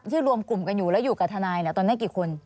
รวมกลุ่มกันอยู่แล้วอยู่กับทนายตอนนี้กี่คน